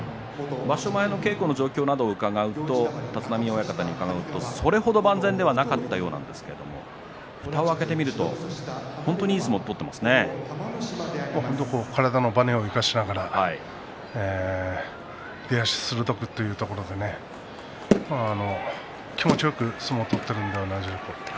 場所前の稽古の状況を立浪親方に伺うとそれ程、万全ではなかったようなんですがふたを開けてみると本当に体のばねを生かしながら出足鋭くというところで気持ちよく相撲を取っているのではないでしょうか。